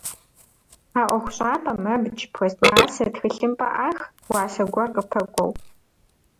А ӏуэхущӏапӏэм абдж, пластмассэ, тхылъымпӏэ ӏах, уасэ гуэр къыпэкӏуэу.